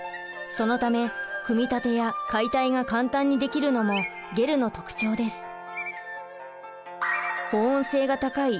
そのため組み立てや解体が簡単にできるのもゲルの特徴です。